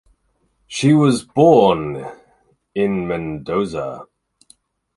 She was born in Mendoza.